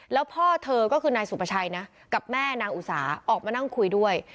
แล้วพ่อเธอก็คือนายสุภาชัยนะกับแม่นางอุสาออกมานั่งคุยด้วย